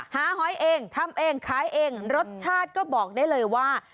หอยเองทำเองขายเองรสชาติก็บอกได้เลยว่า